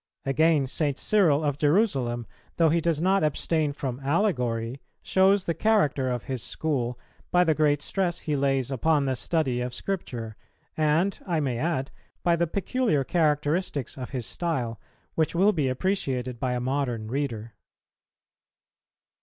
Again, St. Cyril of Jerusalem, though he does not abstain from allegory, shows the character of his school by the great stress he lays upon the study of Scripture, and, I may add, by the peculiar characteristics of his style, which will be appreciated by a modern reader.